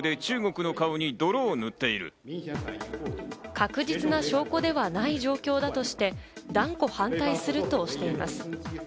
確実な証拠ではない状況だとして断固反対するとしています。